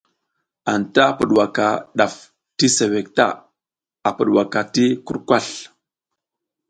Anta pudwaka ɗaf ti suwek ta, a pudwaka ti kurkasl.